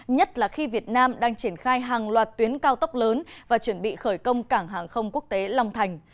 nhất là khi việt nam đang triển khai hàng loạt tuyến cao tốc lớn và chuẩn bị khởi công cảng hàng không quốc tế long thành